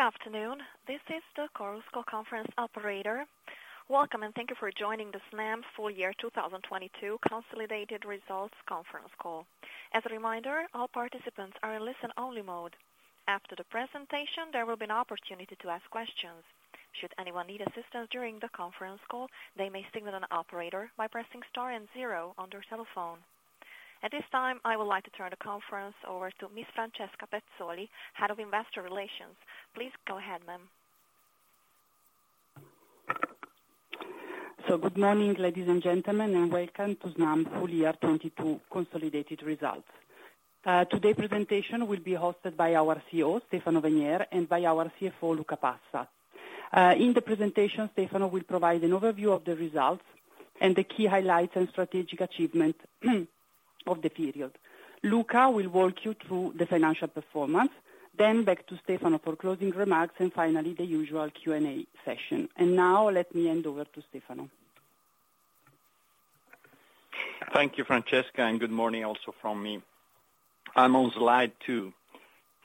Good afternoon. This is the Chorus Call Conference Operator. Welcome, and thank you for joining the Snam Full Year 2022 Consolidated Results Conference Call. As a reminder, all participants are in listen only mode. After the presentation, there will be an opportunity to ask questions. Should anyone need assistance during the conference call, they may signal an operator by pressing star and zero on their telephone. At this time, I would like to turn the conference over to Ms. Francesca Pezzoli, Head of Investor Relations. Please go ahead, ma'am. Good morning, ladies and gentlemen, and welcome to Snam full year 2022 consolidated results. Today presentation will be hosted by our CEO, Stefano Venier, and by our CFO, Luca Passa. In the presentation, Stefano will provide an overview of the results and the key highlights and strategic achievement of the period. Luca will walk you through the financial performance, then back to Stefano for closing remarks and finally the usual Q&A session. Now let me hand over to Stefano. Thank you, Francesca. Good morning also from me. I'm on slide two.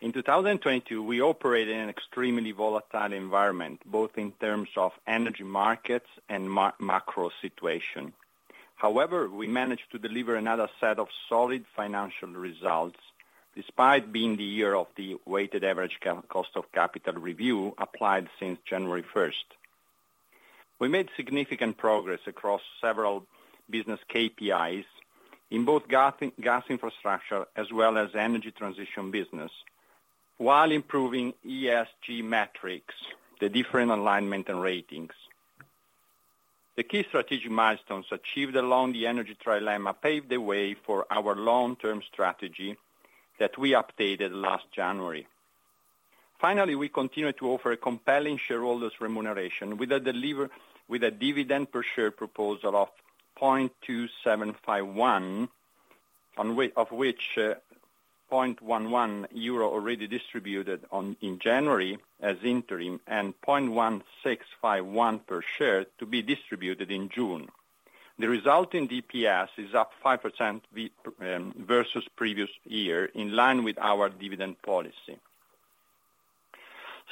In 2020, we operated in an extremely volatile environment, both in terms of energy markets and macro situation. We managed to deliver another set of solid financial results, despite being the year of the weighted average cost of capital review applied since January 1st. We made significant progress across several business KPIs in both gas infrastructure as well as energy transition business, while improving ESG metrics, the different alignment, and ratings. The key strategic milestones achieved along the energy trilemma paved the way for our long-term strategy that we updated last January. We continue to offer a compelling shareholders remuneration with a dividend per share proposal of 0.2751, of which 0.11 euro already distributed on in January as interim and 0.1651 per share to be distributed in June. The resulting DPS is up 5% versus previous year, in line with our dividend policy.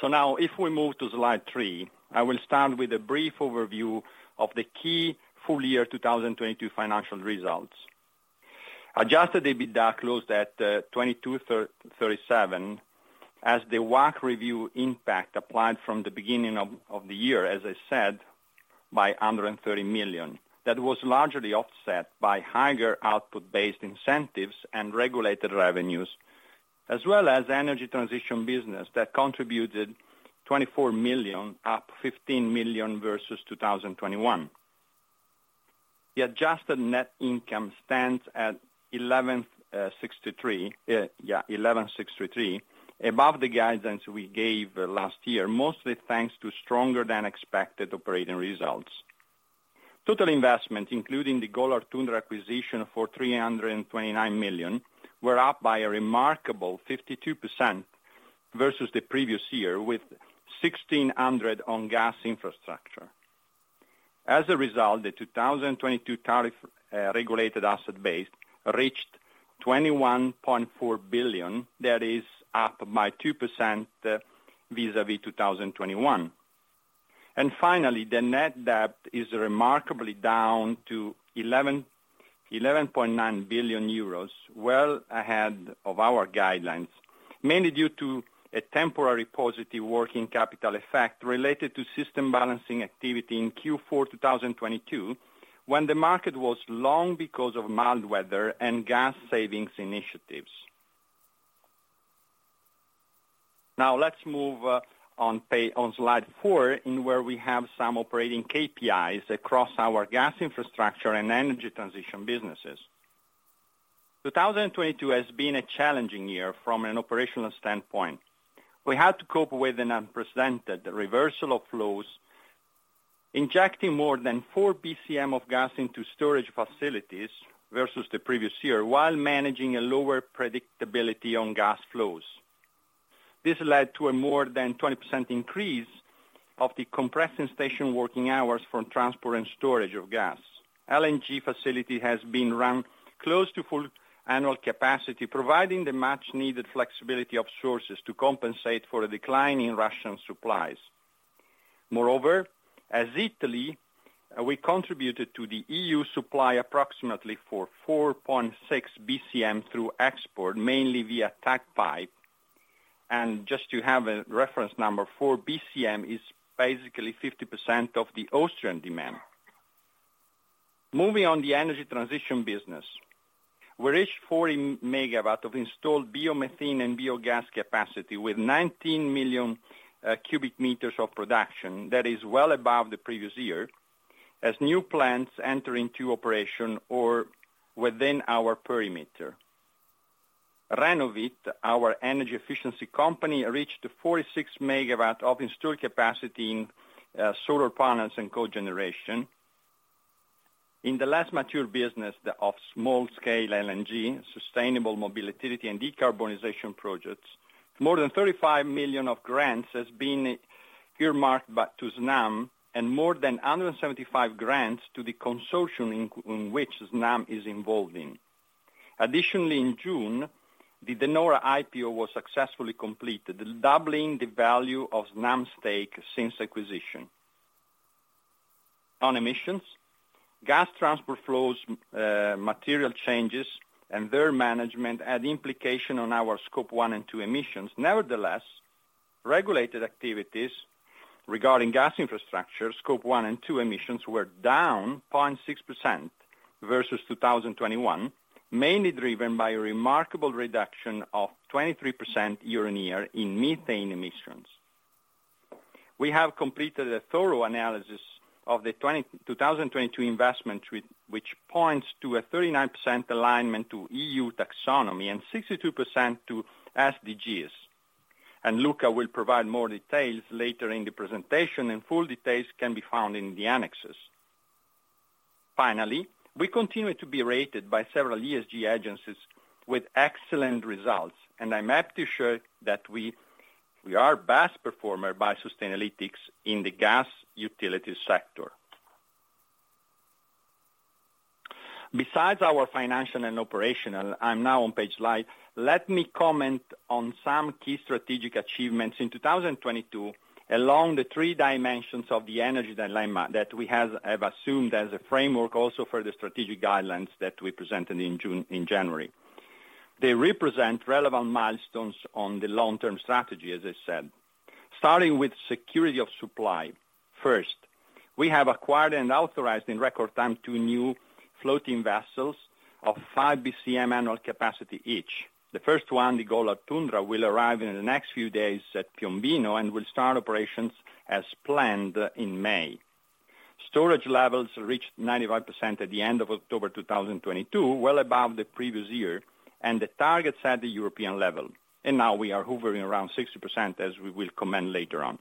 If we move to slide three, I will start with a brief overview of the key full year 2022 financial results. Adjusted EBITDA closed at 2,237, as the WAC review impact applied from the beginning of the year, as I said, by 130 million. That was largely offset by higher output-based incentives and regulated revenues, as well as energy transition business that contributed 24 million, up 15 million versus 2021. The adjusted net income stands at 1,163 million, above the guidance we gave last year, mostly thanks to stronger than expected operating results. Total investment, including the Golar Tundra acquisition for EUR 329 million, were up by a remarkable 52% versus the previous year, with 1,600 on gas infrastructure. As a result, the 2022 tariff, regulated asset base reached 21.4 billion. That is up by 2% vis-à-vis 2021. Finally, the net debt is remarkably down to 11.9 billion euros, well ahead of our guidelines, mainly due to a temporary positive working capital effect related to system balancing activity in Q4 2022, when the market was long because of mild weather and gas savings initiatives. Let's move on slide four in where we have some operating KPIs across our gas infrastructure and energy transition businesses. 2022 has been a challenging year from an operational standpoint. We had to cope with an unprecedented reversal of flows, injecting more than 4 BCM of gas into storage facilities versus the previous year, while managing a lower predictability on gas flows. This led to a more than 20% increase of the compression station working hours for transport and storage of gas. LNG facility has been run close to full annual capacity, providing the much needed flexibility of sources to compensate for a decline in Russian supplies. As Italy, we contributed to the EU supply approximately for 4.6 BCM through export, mainly via TAG pipe. Just to have a reference number, 4 BCM is basically 50% of the Austrian demand. Moving on the energy transition business, we reached 40 MW of installed biomethane and biogas capacity with 19 million m³ of production. That is well above the previous year, as new plants entering to operation or within our perimeter. Renovit, our energy efficiency company, reached 46 MW of installed capacity in solar panels and cogeneration. In the less mature business of small-scale LNG, sustainable mobility and decarbonization projects, more than 35 million of grants has been earmarked to Snam and more than 175 grants to the consortium in which Snam is involved in. In June, the De Nora IPO was successfully completed, doubling the value of Snam stake since acquisition. On emissions, gas transport flows, material changes and their management had implication on our scope one and two emissions. Regulated activities regarding gas infrastructure, scope one and two emissions were down 0.6% versus 2021, mainly driven by a remarkable reduction of 23% year-on-year in methane emissions. We have completed a thorough analysis of the 2022 investment which points to a 39% alignment to EU taxonomy and 62% to SDGs. Luca will provide more details later in the presentation, and full details can be found in the annexes. Finally, we continue to be rated by several ESG agencies with excellent results. I'm happy to show that we are best performer by Sustainalytics in the gas utility sector. Besides our financial and operational, I'm now on page five. Let me comment on some key strategic achievements. In 2022, along the three dimensions of the energy dilemma that we have assumed as a framework also for the strategic guidelines that we presented in January. They represent relevant milestones on the long-term strategy, as I said. Starting with security of supply. First, we have acquired and authorized in record time two new floating vessels of 5 BCM annual capacity each. The first one, the Golar Tundra, will arrive in the next few days at Piombino and will start operations as planned in May. Storage levels reached 95% at the end of October 2022, well above the previous year and the targets at the European level. Now we are hovering around 60%, as we will comment later on.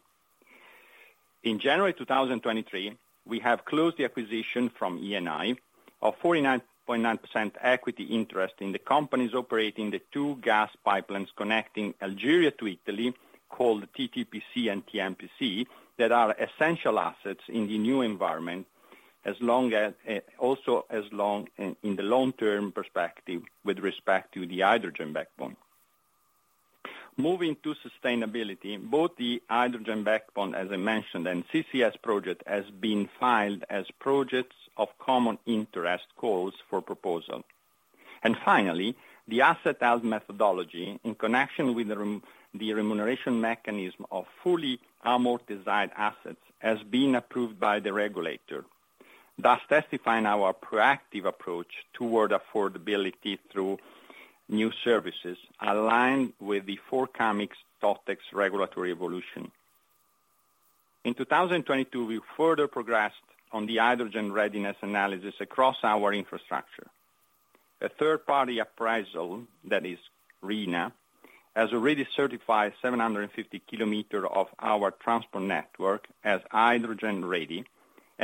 In January 2023, we have closed the acquisition from Eni of 49.9% equity interest in the companies operating the two gas pipelines connecting Algeria to Italy, called TTPC and TMPC, that are essential assets in the new environment as long as in the long-term perspective with respect to the H2 Backbone. Moving to sustainability, both the H2 Backbone, as I mentioned, and CCS project has been filed as projects of common interest calls for proposal. Finally, the asset out methodology in connection with the remuneration mechanism of fully amortized assets has been approved by the regulator, thus testifying our proactive approach toward affordability through new services aligned with the forthcoming Totex regulatory evolution. In 2022, we further progressed on the hydrogen readiness analysis across our infrastructure. A third-party appraisal, that is RINA, has already certified 750 km of our transport network as hydrogen-ready.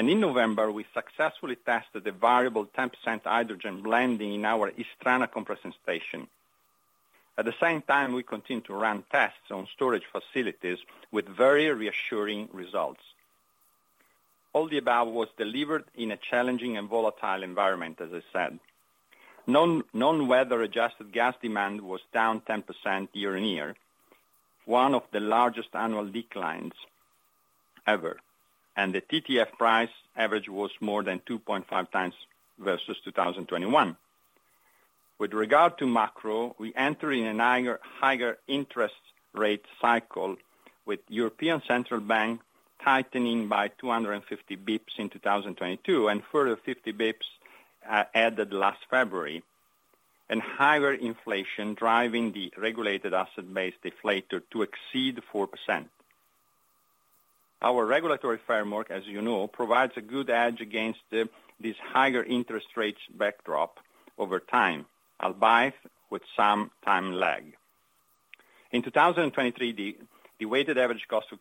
In November, we successfully tested the variable 10% hydrogen blending in our Istrana compression station. At the same time, we continue to run tests on storage facilities with very reassuring results. All the above was delivered in a challenging and volatile environment, as I said. Non-weather adjusted gas demand was down 10% year-on-year, one of the largest annual declines ever. The TTF price average was more than 2.5x versus 2021. With regard to macro, we enter in a higher interest rate cycle with European Central Bank tightening by 250 basis points in 2022 and further 50 basis points added last February, and higher inflation driving the regulated asset base deflator to exceed 4%. Our regulatory framework, as you know, provides a good edge against this higher interest rates backdrop over time, albeit with some time lag. In 2023, the weighted average cost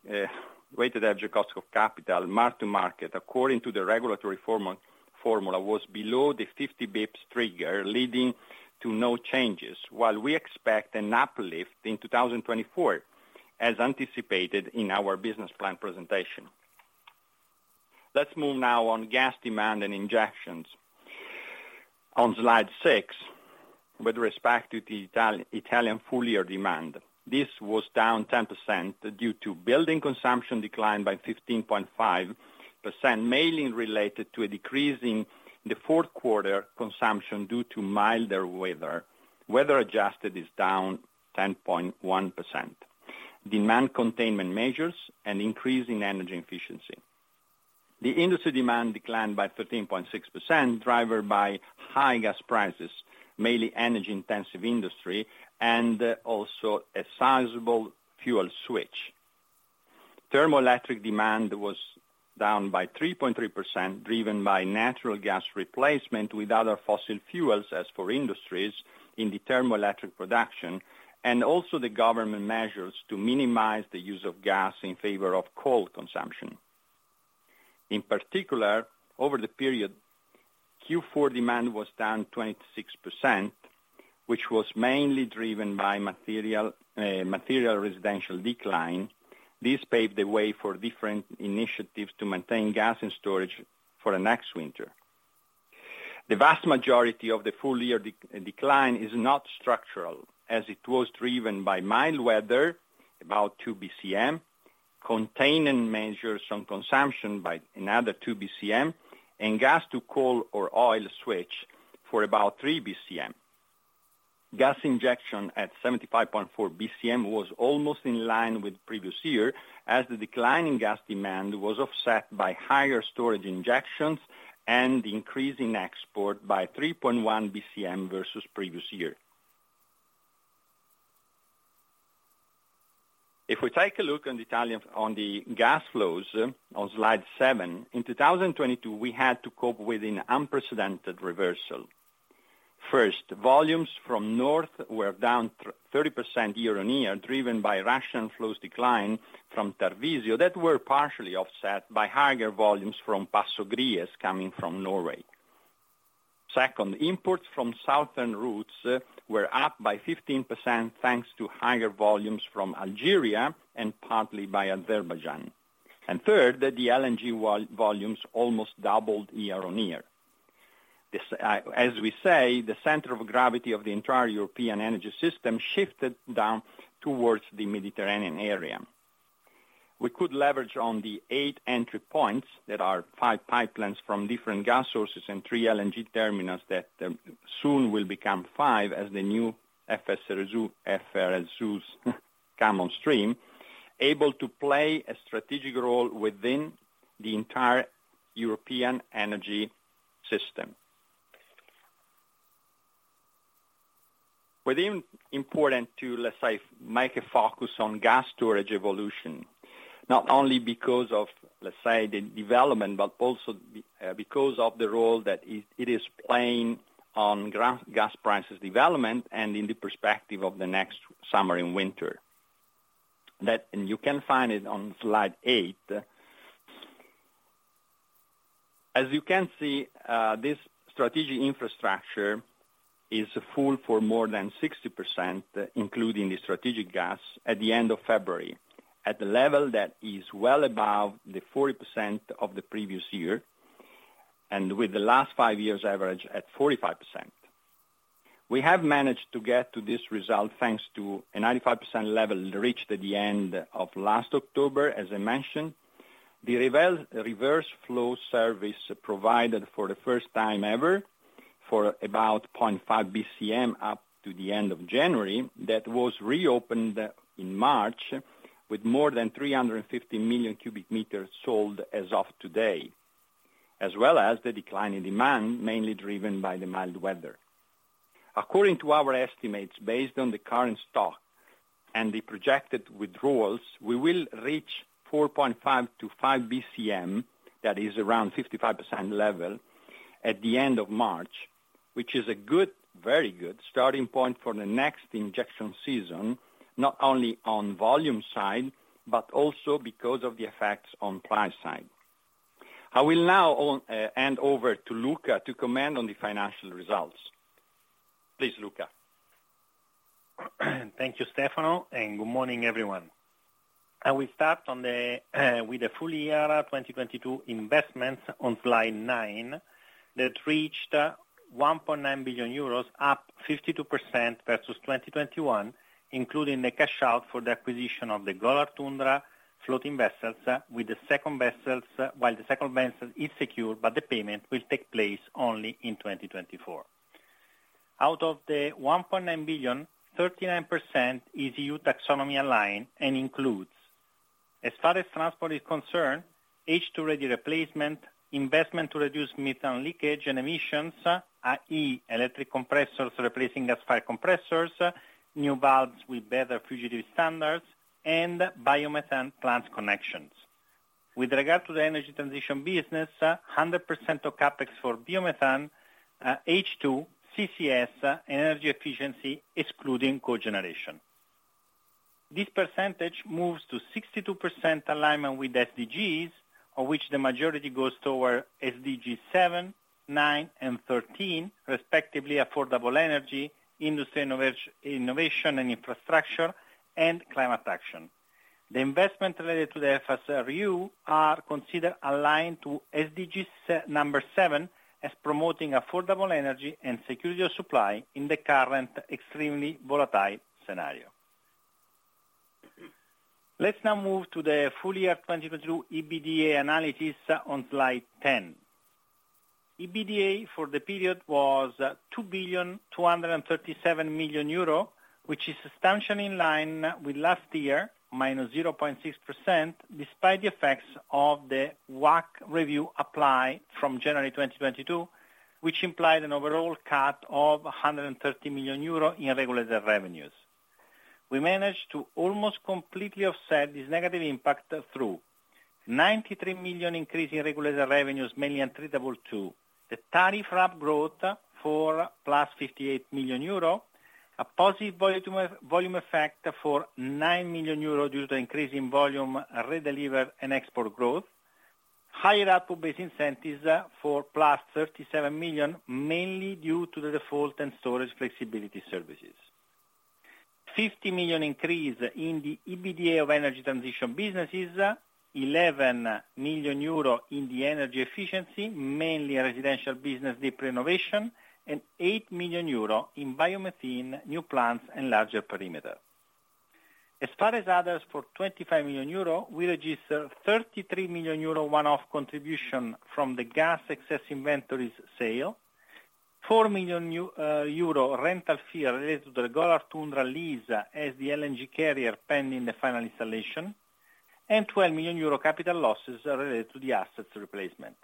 of capital mark-to-market, according to the regulatory formula, was below the 50 basis points trigger, leading to no changes, while we expect an uplift in 2024, as anticipated in our business plan presentation. Let's move now on gas demand and injections. On slide six, with respect to the Italian full year demand. This was down 10% due to building consumption declined by 15.5%, mainly related to a decrease in the fourth quarter consumption due to milder weather. Weather adjusted is down 10.1%. Demand containment measures, an increase in energy efficiency. The industry demand declined by 13.6%, driven by high gas prices, mainly energy-intensive industry and also a sizable fuel switch. Thermoelectric demand was down by 3.3%, driven by natural gas replacement with other fossil fuels as for industries in the thermoelectric production, and also the government measures to minimize the use of gas in favor of coal consumption. In particular, over the period, Q4 demand was down 26%, which was mainly driven by material residential decline. This paved the way for different initiatives to maintain gas and storage for the next winter. The vast majority of the full year decline is not structural, as it was driven by mild weather, about 2 BCM, contain and measure some consumption by another 2 BCM, and gas to coal or oil switch for about 3 BCM. Gas injection at 75.4 BCM was almost in line with previous year, as the decline in gas demand was offset by higher storage injections and increase in export by 3.1 BCM versus previous year. If we take a look on Italian on the gas flows on slide seven, in 2022, we had to cope with an unprecedented reversal. First, volumes from North were down 30% year-on-year, driven by Russian flows decline from Tarvisio that were partially offset by higher volumes from Passo Gries coming from Norway. Second, imports from Southern routes were up by 15%, thanks to higher volumes from Algeria and partly by Azerbaijan. Third, the LNG volumes almost doubled year-on-year. This, as we say, the center of gravity of the entire European energy system shifted down towards the Mediterranean area. We could leverage on the eight entry points that are five pipelines from different gas sources and three LNG terminals that, soon will become five as the new FSRUs come on stream, able to play a strategic role within the entire European energy system. With important to, let's say, make a focus on gas storage evolution, not only because of, let's say, the development, but also because of the role that it is playing on gas prices development and in the perspective of the next summer and winter. You can find it on slide eight. As you can see, this strategic infrastructure is full for more than 60%, including the strategic gas, at the end of February, at a level that is well above the 40% of the previous year, and with the last five years average at 45%. We have managed to get to this result, thanks to a 95% level reached at the end of last October, as I mentioned. The reverse flow service provided for the first time ever for about 0.5 BCM up to the end of January, that was reopened in March with more than 350 million m³ sold as of today, as well as the decline in demand, mainly driven by the mild weather. According to our estimates, based on the current stock and the projected withdrawals, we will reach 4.5 BCM-5 BCM, that is around 55% level, at the end of March, which is a good, very good starting point for the next injection season, not only on volume side, but also because of the effects on price side. I will now hand over to Luca to comment on the financial results. Please, Luca. Thank you, Stefano, and good morning, everyone. I will start with the full year 2022 investments on slide nine, that reached 1.9 billion euros, up 52% versus 2021, including the cash out for the acquisition of the Golar Tundra floating vessels, with the second vessels, while the second vessel is secure, but the payment will take place only in 2024. Out of the 1.9 billion, 39% is EU taxonomy aligned and includes, as far as transport is concerned, H2 ready replacement, investment to reduce methane leakage and emissions, i.e., electric compressors replacing gas fired compressors, new valves with better fugitive standards and biomethane plant connections. With regard to the energy transition business, 100% of CapEx for biomethane, H2, CCS, energy efficiency excluding cogeneration. This percentage moves to 62% alignment with SDGs, of which the majority goes toward SDG 7, 9, and 13, respectively, affordable energy, industry innovation and infrastructure, and climate action. The investment related to the FSRU are considered aligned to SDG 7, as promoting affordable energy and security of supply in the current extremely volatile scenario. Let's now move to the full year 2022 EBITDA analysis on slide 10. EBITDA for the period was 2.237 billion, which is substantially in line with last year, -0.6%, despite the effects of the WACC review apply from January 2022, which implied an overall cut of 130 million euro in regulated revenues. We managed to almost completely offset this negative impact through 93 million increase in regulated revenues, mainly attributable to the tariff ramp growth for +58 million euro, a positive volume effect for 9 million euro due to increase in volume redelivered and export growth. Higher output-based incentives for +37 million, mainly due to the default and storage flexibility services. 50 million increase in the EBITDA of energy transition businesses, 11 million euro in the energy efficiency, mainly residential business deep renovation, and 8 million euro in biomethane new plants and larger perimeter. As far as others for 25 million euro, we registered 33 million euro one-off contribution from the gas excess inventories sale, 4 million euro rental fee related to the Golar Tundra lease as the LNG carrier pending the final installation, and 12 million euro capital losses related to the assets replacement.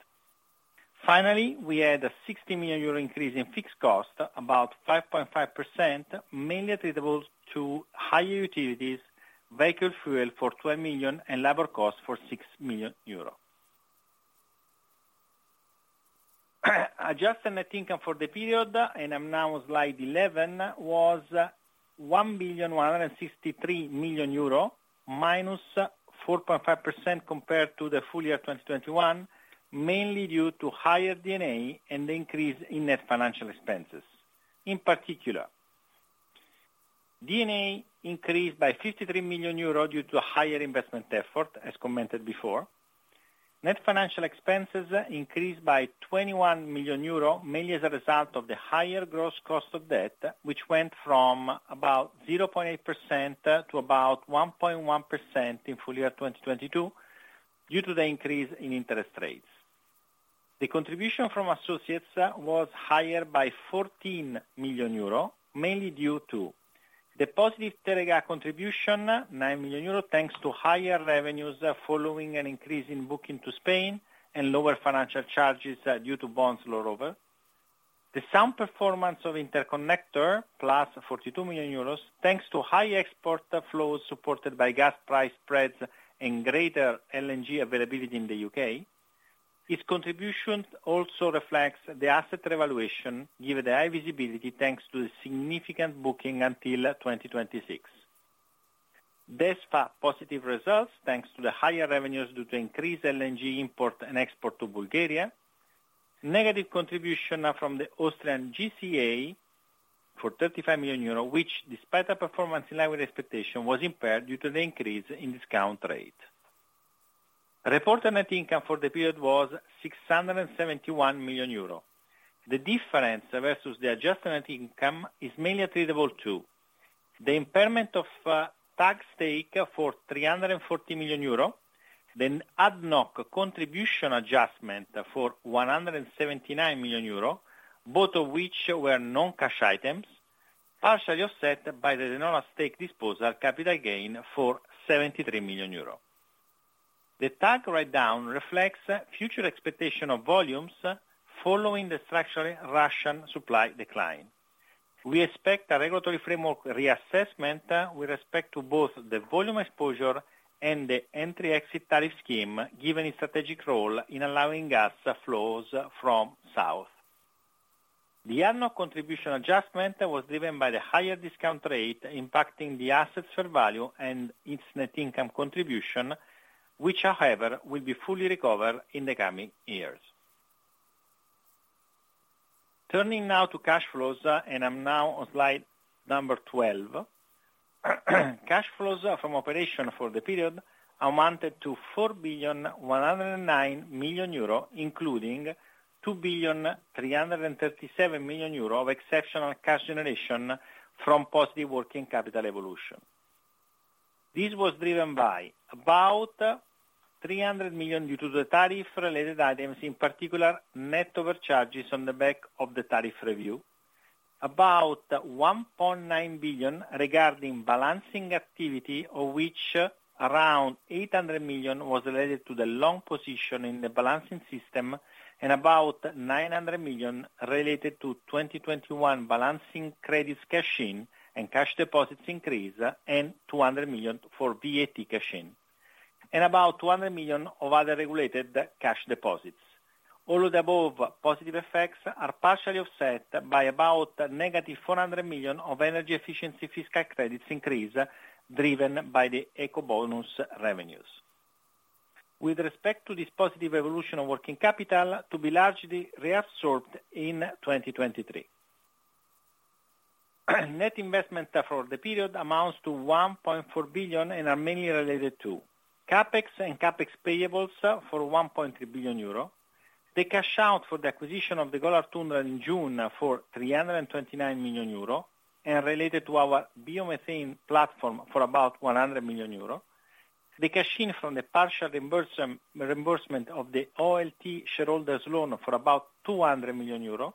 Finally, we had a 60 million euro increase in fixed cost, about 5.5%, mainly attributable to higher utilities, vehicle fuel for 12 million, and labor costs for 6 million euros. Adjusted net income for the period, and I'm now on slide 11, was 1.163 billion, minus 4.5% compared to the full year 2021, mainly due to higher D&A and the increase in net financial expenses. In particular, D&A increased by 53 million euros due to higher investment effort, as commented before. Net financial expenses increased by 21 million euro, mainly as a result of the higher gross cost of debt, which went from about 0.8% to about 1.1% in full year 2022 due to the increase in interest rates. The contribution from associates was higher by 14 million euro, mainly due to the positive Teréga contribution, 9 million euro, thanks to higher revenues following an increase in booking to Spain and lower financial charges due to bonds lower over. The sound performance of interconnector, + 42 million euros, thanks to high export flows supported by gas price spreads and greater LNG availability in the U.K.. Its contribution also reflects the asset revaluation, given the high visibility, thanks to the significant booking until 2026. DESFA positive results, thanks to the higher revenues due to increased LNG import and export to Bulgaria. Negative contribution from the Austrian GCA for 35 million euro, which despite a performance in line with expectation, was impaired due to the increase in discount rate. Reported net income for the period was 671 million euro. The difference versus the adjusted net income is mainly attributable to the impairment of TAG stake for 340 million euro, then ad hoc contribution adjustment for 179 million euro, both of which were non-cash items, partially offset by the De Nora stake disposal capital gain for 73 million euro. The TAG write-down reflects future expectation of volumes following the structural Russian supply decline. We expect a regulatory framework reassessment with respect to both the volume exposure and the entry/exit tariff scheme, given its strategic role in allowing gas flows from south. The ad hoc contribution adjustment was driven by the higher discount rate impacting the assets fair value and its net income contribution, which however, will be fully recovered in the coming years. Turning now to cash flows. I'm now on slide number 12. Cash flows from operation for the period amounted to 4.109 billion, including 2.337 billion of exceptional cash generation from positive working capital evolution. This was driven by about 300 million due to the tariff-related items, in particular, net overcharges on the back of the tariff review. About 1.9 billion regarding balancing activity, of which around 800 million was related to the long position in the balancing system and about 900 million related to 2021 balancing credits cash in and cash deposits increase, and 200 million for VAT cash in, and about 200 million of other regulated cash deposits. All of the above positive effects are partially offset by about -400 million of energy efficiency fiscal credits increase driven by the Ecobonus revenues. With respect to this positive evolution of working capital to be largely reabsorbed in 2023. Net investment for the period amounts to 1.4 billion and are mainly related to CapEx and CapEx payables for 1.3 billion euro. The cash out for the acquisition of the Golar Tundra in June for 329 million euro and related to our biomethane platform for about 100 million euro. The cash in from the partial reimbursement of the OLT shareholders loan for about 200 million euro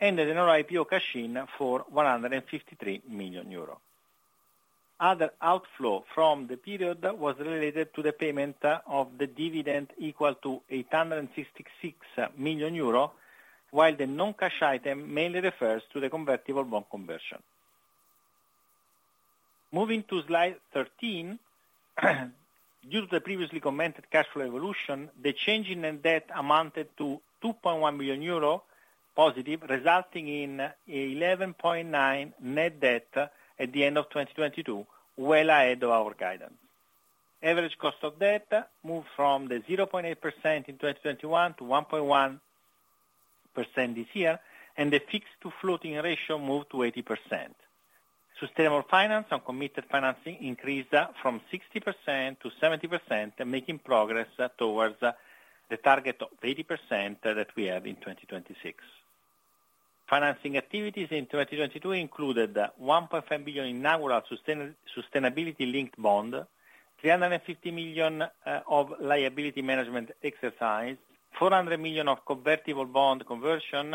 and the De Nora IPO cash in for 153 million euro. Other outflow from the period was related to the payment of the dividend equal to 866 million euro, while the non-cash item mainly refers to the convertible bond conversion. Moving to slide 13. Due to the previously commented cash flow evolution, the change in net debt amounted to 2.1 billion euro. Positive, resulting in 11.9 net debt at the end of 2022, well ahead of our guidance. Average cost of debt moved from the 0.8% in 2021 to 1.1% this year. The fixed to floating ratio moved to 80%. Sustainable finance on committed financing increased from 60%-70%, making progress towards the target of 80% that we have in 2026. Financing activities in 2022 included 1.5 billion inaugural Sustainability-Linked Bond, 350 million of liability management exercise, 400 million of convertible bond conversion,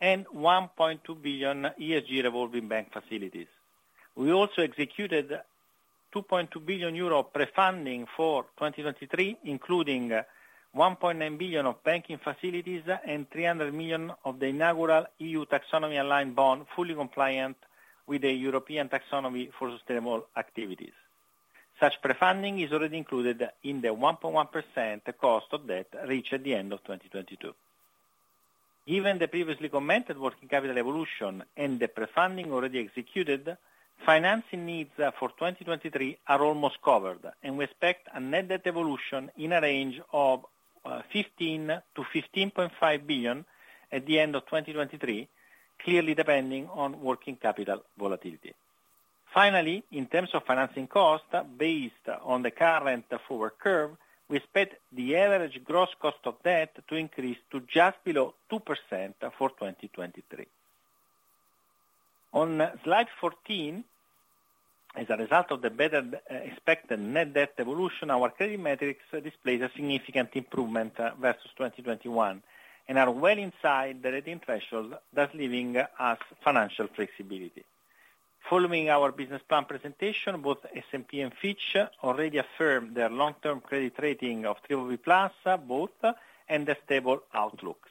and 1.2 billion ESG revolving bank facilities. We also executed 2.2 billion euro pre-funding for 2023, including 1.9 billion of banking facilities and 300 million of the inaugural EU Taxonomy-Aligned Bond, fully compliant with the European taxonomy for sustainable activities. Such pre-funding is already included in the 1.1% cost of debt reached at the end of 2022. Given the previously commented working capital evolution and the pre-funding already executed, financing needs for 2023 are almost covered, and we expect a net debt evolution in a range of 15 billion-15.5 billion at the end of 2023, clearly depending on working capital volatility. Finally, in terms of financing cost, based on the current forward curve, we expect the average gross cost of debt to increase to just below 2% for 2023. On slide 14, as a result of the better expected net debt evolution, our credit metrics displays a significant improvement versus 2021 and are well inside the rating threshold, thus leaving us financial flexibility. Following our business plan presentation, both S&P and Fitch already affirmed their long-term credit rating of BBB+ both, and their stable outlooks.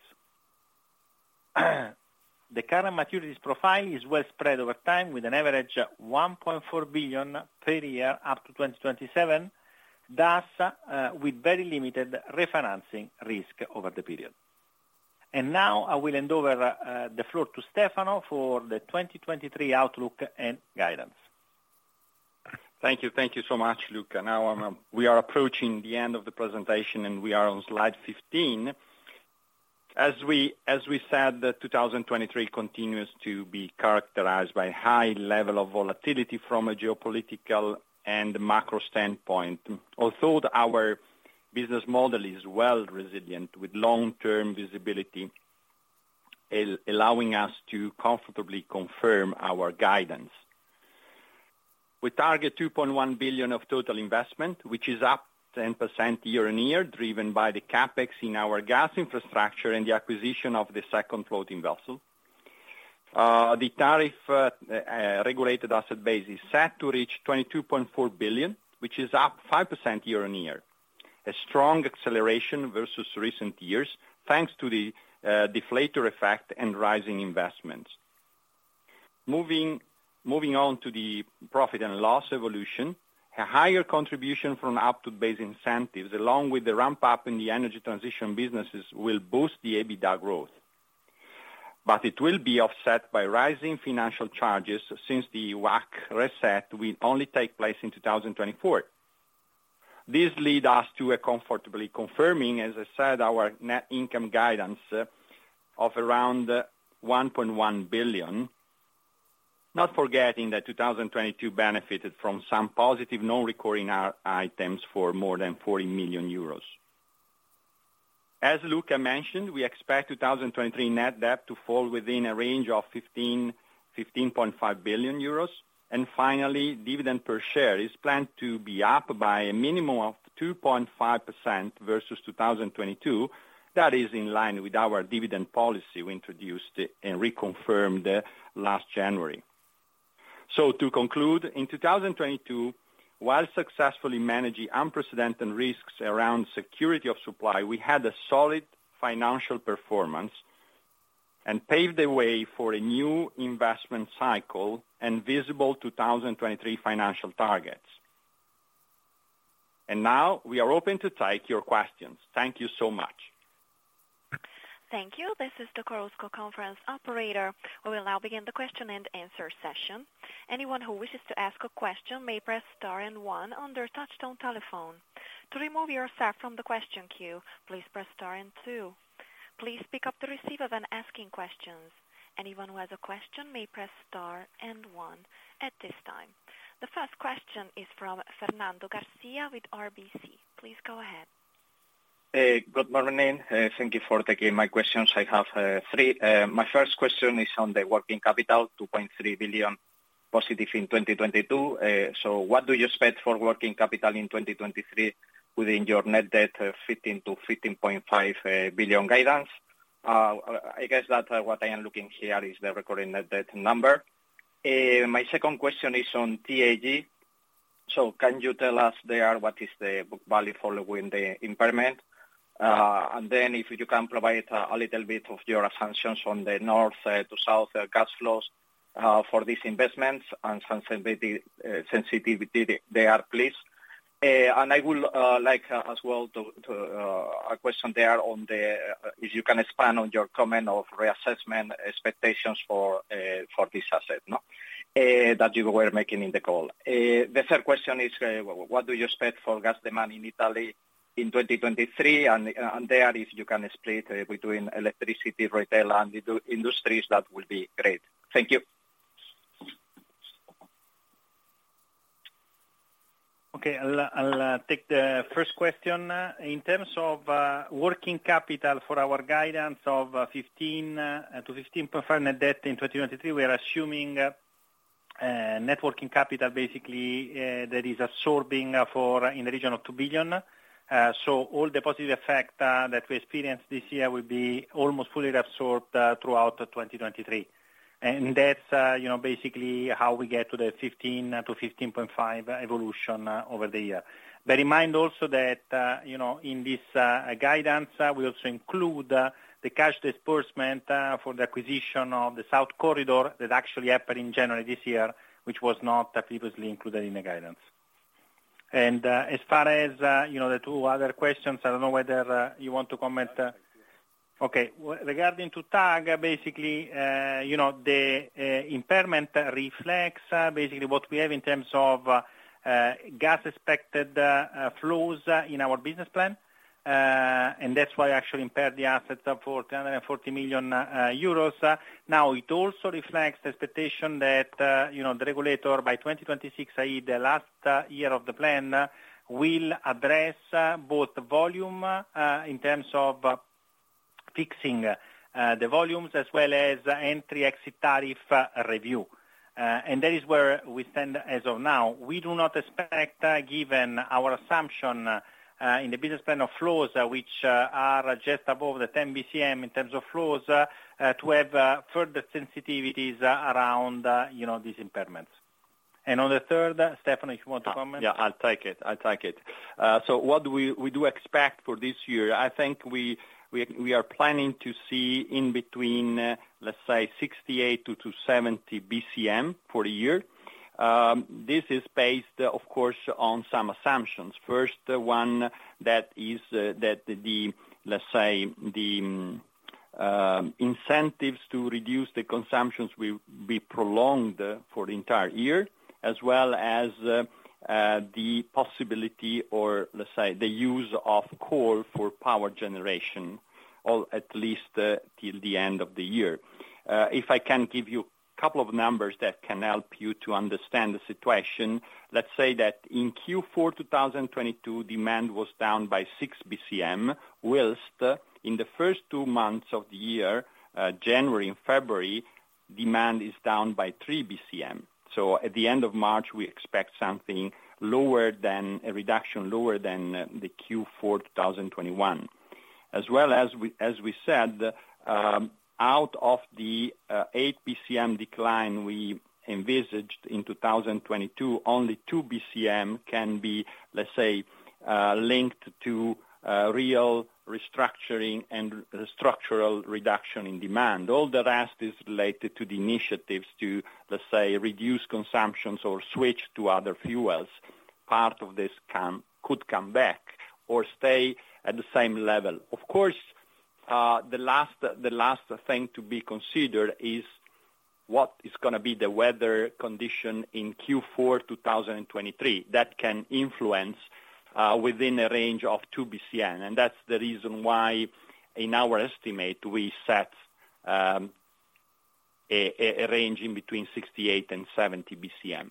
The current maturities profile is well spread over time, with an average 1.4 billion per year up to 2027. With very limited refinancing risk over the period. Now, I will hand over the floor to Stefano for the 2023 outlook and guidance. Thank you. Thank you so much, Luca. We are approaching the end of the presentation, and we are on slide 15. As we said, 2023 continues to be characterized by high level of volatility from a geopolitical and macro standpoint. Our business model is well resilient with long-term visibility allowing us to comfortably confirm our guidance. We target 2.1 billion of total investment, which is up 10% year-on-year, driven by the CapEx in our gas infrastructure and the acquisition of the second floating vessel. The tariff regulated asset base is set to reach 22.4 billion, which is up 5% year-on-year. A strong acceleration versus recent years, thanks to the deflator effect and rising investments. Moving on to the profit and loss evolution. A higher contribution from output-based incentives, along with the ramp up in the energy transition businesses, will boost the EBITDA growth. It will be offset by rising financial charges, since the WACC reset will only take place in 2024. This lead us to comfortably confirming, as I said, our net income guidance of around 1.1 billion. Not forgetting that 2022 benefited from some positive non-recurring items for more than 40 million euros. As Luca mentioned, we expect 2023 net debt to fall within a range of 15 billion-15.5 billion euros. Finally, dividend per share is planned to be up by a minimum of 2.5% versus 2022. That is in line with our dividend policy we introduced and reconfirmed last January. To conclude, in 2022, while successfully managing unprecedented risks around security of supply, we had a solid financial performance and paved the way for a new investment cycle and visible 2023 financial targets. Now we are open to take your questions. Thank you so much. Thank you. This is the Chorus Call Conference Operator. We will now begin the question and answer session. Anyone who wishes to ask a question may press star and one on their touchtone telephone. To remove yourself from the question queue, please press star and two. Please pick up the receiver when asking questions. Anyone who has a question may press star and one at this time. The first question is from Fernando Garcia with RBC. Please go ahead. Good morning, thank you for taking my questions. I have three. My first question is on the working capital, 2.3 billion positive in 2022. What do you expect for working capital in 2023 within your net debt of 15 billion-15.5 billion guidance? I guess that what I am looking here is the recording net debt number. My second question is on TAG. Can you tell us there what is the book value following the impairment? If you can provide a little bit of your assumptions on the north to south gas flows for these investments and sensitivity they are, please. I will like as well to a question there on the if you can expand on your comment of reassessment expectations for this asset, no, that you were making in the call. The third question is what do you expect for gas demand in Italy in 2023, and there, if you can split between electricity, retail, and the industries, that would be great. Thank you. Okay. I'll take the first question. In terms of working capital for our guidance of 15-15.5 Net debt in 2023, we are assuming net working capital, basically, that is absorbing for in the region of 2 billion. All the positive effect that we experienced this year will be almost fully absorbed throughout 2023. That's, you know, basically how we get to the 15-15.5 evolution over the year. Bear in mind also that, you know, in this guidance, we also include the cash disbursement for the acquisition of the SoutH2 Corridor that actually happened in January this year, which was not previously included in the guidance. As far as, you know, the two other questions, I don't know whether, you want to comment. I'll take them. Okay. Regarding to TAG, basically, you know, the impairment reflects basically what we have in terms of gas expected flows in our business plan. That's why actually impaired the assets of 14 million euros and 40 million euros. Now, it also reflects the expectation that, you know, the regulator by 2026, i.e. the last year of the plan, will address both volume in terms of fixing the volumes as well as entry, exit tariff review. That is where we stand as of now. We do not expect, given our assumption in the business plan of flows, which are just above the 10 BCM in terms of flows, to have further sensitivities around, you know, these impairments. On the third, Stefano, if you want to comment. Yeah, I'll take it. I'll take it. What we do expect for this year, I think we are planning to see in between, let's say, 68 BCM-70 BCM for the year. This is based, of course, on some assumptions. First one that is that the, let's say, the incentives to reduce the consumptions will be prolonged for the entire year, as well as the possibility or, let's say, the use of coal for power generation, or at least till the end of the year. If I can give you a couple of numbers that can help you to understand the situation, let's say that in Q4 2022, demand was down by 6 BCM, whilst in the first two months of the year, January and February, demand is down by 3 BCM. At the end of March, we expect a reduction lower than the Q4 2021. As we said, out of the 8 BCM decline we envisaged in 2022, only 2 BCM can be, let's say, linked to real restructuring and structural reduction in demand. All the rest is related to the initiatives to, let's say, reduce consumptions or switch to other fuels. Part of this could come back or stay at the same level. Of course, the last thing to be considered is what is gonna be the weather condition in Q4 2023. That can influence within a range of 2 BCM, That's the reason why in our estimate, we set a range in between 68 BCM and 70 BCM.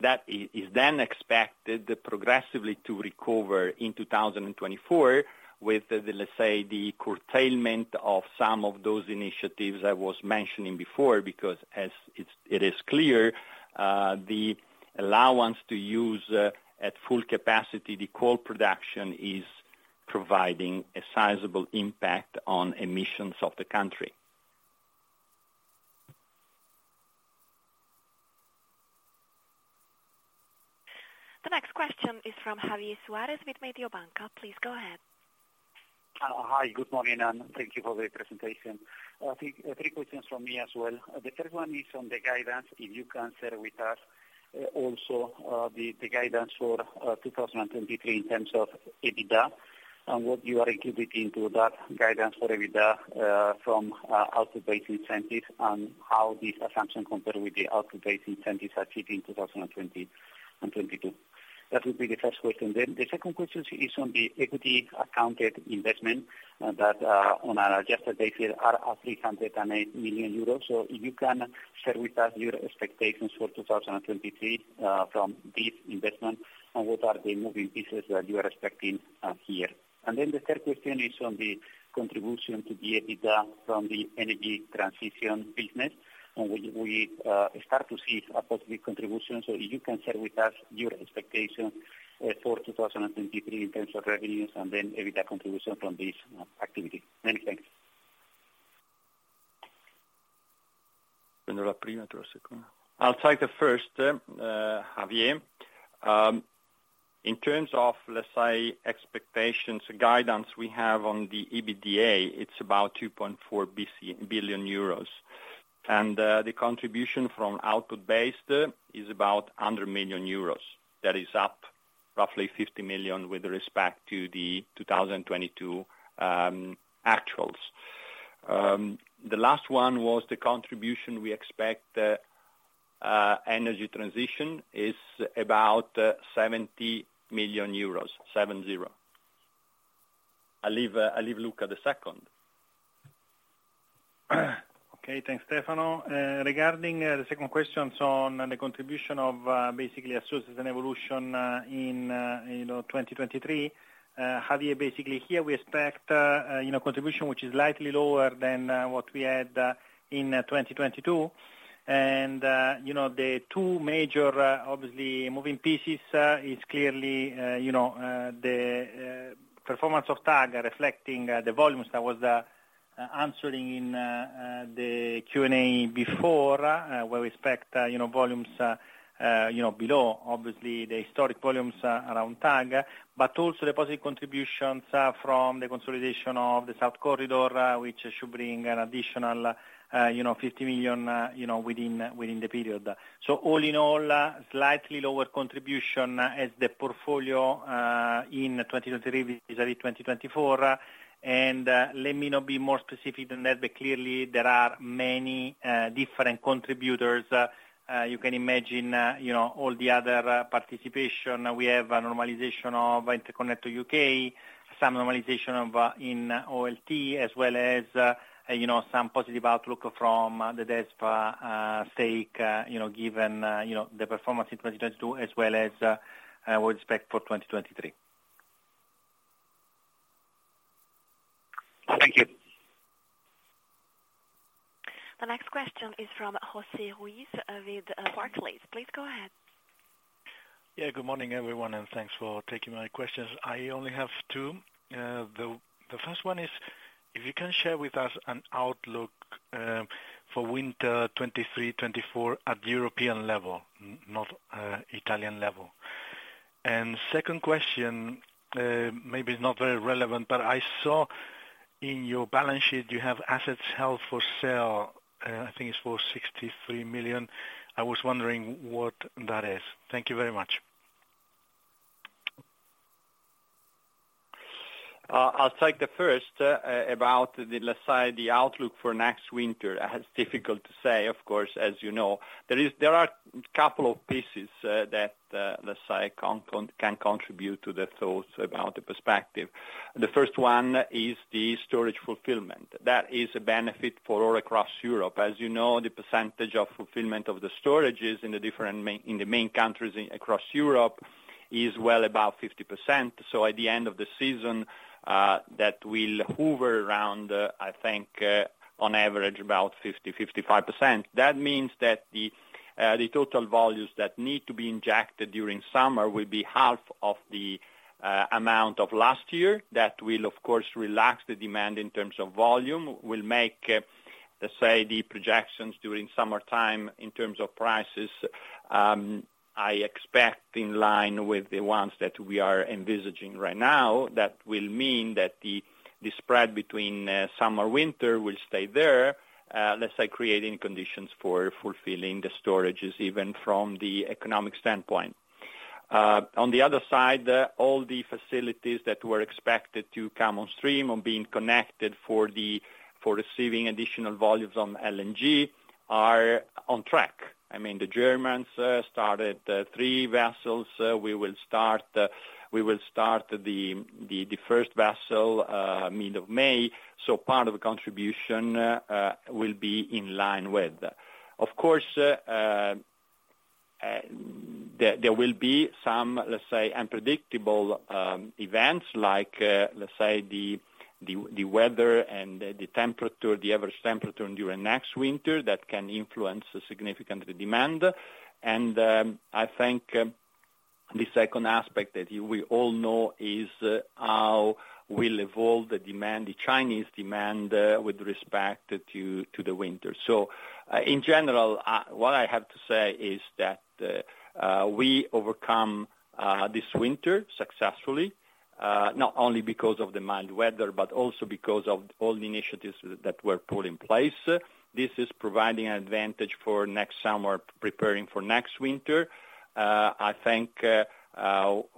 That is then expected progressively to recover in 2024 with the, let's say, the curtailment of some of those initiatives I was mentioning before, because as it is clear, the allowance to use, at full capacity the coal production is providing a sizable impact on emissions of the country. The next question is from Javier Suárez with Mediobanca. Please go ahead. Hi, good morning. Thank you for the presentation. Three questions from me as well. The first one is on the guidance, if you can share with us also the guidance for 2023 in terms of EBITDA and what you are including into that guidance for EBITDA from output-based incentives and how this assumption compare with the output-based incentives achieved in 2020 and 2022. That would be the first question. The second question is on the equity accounted investment that on an adjusted basis are 308 million euros. If you can share with us your expectations for 2023 from this investment and what are the moving pieces that you are expecting here. The third question is on the contribution to the EBITDA from the energy transition business, and whether we start to see a positive contribution. If you can share with us your expectations for 2023 in terms of revenues and then EBITDA contribution from this activity. Many thanks. I'll take the first, Javier. In terms of expectations, guidance we have on the EBITDA, it's about 2.4 billion euros. The contribution from output base is about 100 million euros. That is up roughly 50 million with respect to the 2022 actuals. The last one was the contribution we expect energy transition is about 70 million euros. I leave Luca the second. Okay, thanks Stefano. Regarding the second questions on the contribution of basically associates and evolution in, you know, 2023, Javier, basically here we expect contribution which is slightly lower than what we had in 2022. The two major, obviously moving pieces, is clearly the performance of TAG reflecting the volumes that was answering in the Q&A before, where we expect volumes, you know, below, obviously the historic volumes around TAG, but also the positive contributions from the consolidation of the SoutH2 Corridor, which should bring an additional 50 million, you know, within the period. All in all, slightly lower contribution as the portfolio in 2023, vis-a-vis 2024 Let me not be more specific than that, but clearly there are many different contributors. You can imagine, you know, all the other participation. We have a normalization of Interconnector U.K., some normalization of OLT, as well as, you know, some positive outlook from the DESFA stake, you know, given, you know, the performance in 2022 as well as what we expect for 2023. Thank you. The next question is from Jose Ruiz with Barclays. Please go ahead. Good morning, everyone, thanks for taking my questions. I only have two. The first one is if you can share with us an outlook for winter 2023, 2024 at European level, not Italian level. Second question, maybe is not very relevant, but I saw in your balance sheet you have assets held for sale, I think it's for 63 million. I was wondering what that is. Thank you very much. I'll take the first about the, let's say the outlook for next winter. It's difficult to say, of course, as you know. There are couple of pieces that, let's say, can contribute to the thoughts about the perspective. The first one is the storage fulfillment. That is a benefit for all across Europe. As you know, the percentage of fulfillment of the storages in the different main, in the main countries across Europe is well above 50%. At the end of the season, that will hover around, I think, on average about 50%, 55%. That means that the total volumes that need to be injected during summer will be half of the amount of last year. That will of course, relax the demand in terms of volume, will make the projections during summertime in terms of prices, I expect in line with the ones that we are envisaging right now, that will mean that the spread between summer/winter will stay there creating conditions for fulfilling the storages, even from the economic standpoint. On the other side, all the facilities that were expected to come on stream on being connected for receiving additional volumes on LNG are on track. I mean, the Germans started three vessels. We will start the first vessel mid of May. Part of the contribution will be in line with. Of course, there will be some unpredictable events like the weather and the temperature, the average temperature during next winter that can influence significantly the demand. I think the second aspect that you, we all know is how will evolve the demand, the Chinese demand, with respect to the winter. In general, what I have to say is that we overcome this winter successfully, not only because of the mild weather, but also because of all the initiatives that were put in place. This is providing an advantage for next summer, preparing for next winter. I think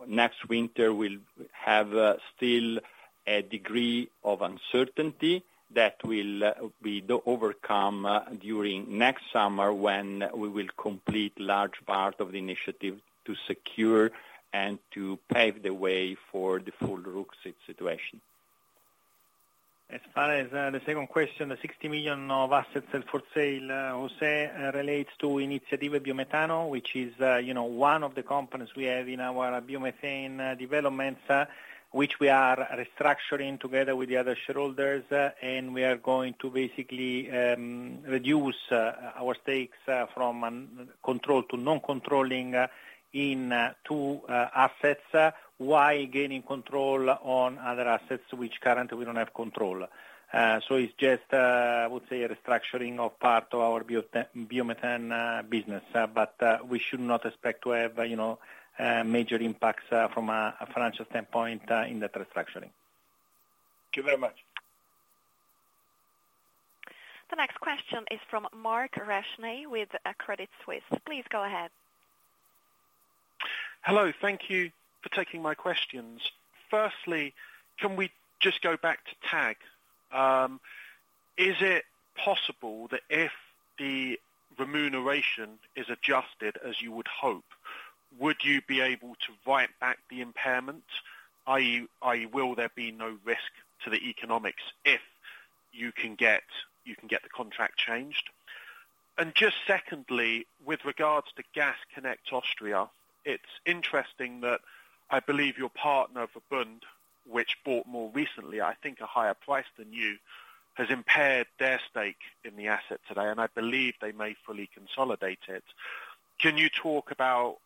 next winter will have still a degree of uncertainty that will be overcome during next summer when we will complete large part of the initiative to secure and to pave the way for the full situation. As far as the second question, the 60 million of assets held for sale, Jose, relates to Iniziative Biometano, which is, you know, one of the companies we have in our biomethane developments, which we are restructuring together with the other shareholders, and we are going to basically reduce our stakes from control to non-controlling in two assets while gaining control on other assets which currently we don't have control. It's just, I would say, a restructuring of part of our biomethane business, but we should not expect to have, you know, major impacts from a financial standpoint in that restructuring. Thank you very much. The next question is from Mark Freshney with Credit Suisse. Please go ahead. Hello. Thank you for taking my questions. Firstly, can we just go back to TAG? Is it possible that if the remuneration is adjusted as you would hope, would you be able to write back the impairment, i.e., will there be no risk to the economics if you can get the contract changed? Just secondly, with regards to Gas Connect Austria, it's interesting that I believe your partner, VERBUND, which bought more recently, I think a higher price than you, has impaired their stake in the asset today, and I believe they may fully consolidate it. Can you talk about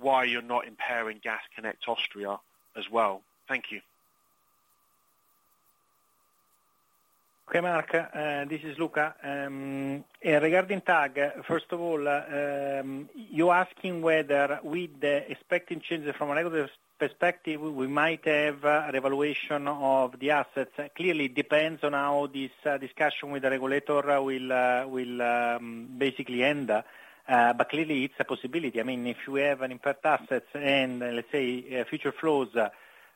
why you're not impairing Gas Connect Austria as well? Thank you. Okay, Mark, this is Luca. Regarding TAG, first of all, you're asking whether with the expecting changes from a regulatory perspective, we might have a revaluation of the assets. Clearly, it depends on how this discussion with the regulator will basically end, but clearly, it's a possibility. I mean, if you have an impaired assets and let's say future flows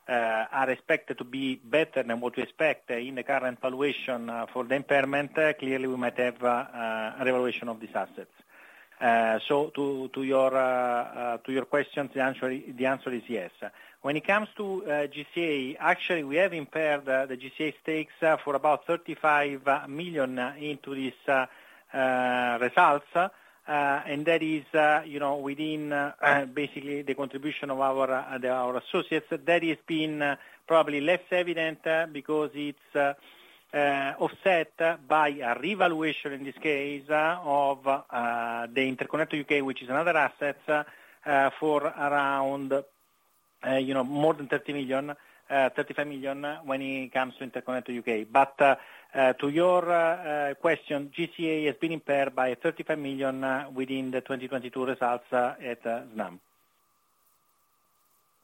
are expected to be better than what we expect in the current valuation for the impairment, clearly we might have a revaluation of these assets. To your question, the answer is yes. When it comes to GCA, actually, we have impaired the GCA stakes for about 35 million into these results. That is, you know, within, basically the contribution of our associates. That has been, probably less evident, because it's, offset by a revaluation, in this case, of, the Interconnecter U.K., which is another asset, for around, you know, more than 30 million, 35 million, when it comes to Interconnector U.K.. To your question, GCA has been impaired by 35 million within the 2022 results at Snam.